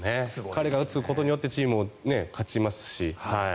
彼が打つことによってチームも勝ちますし。